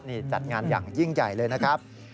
นี่จัดงานอย่างยิ่งใหญ่เลยนะครับ